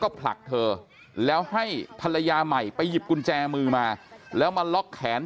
ผลักเธอแล้วให้ภรรยาใหม่ไปหยิบกุญแจมือมาแล้วมาล็อกแขน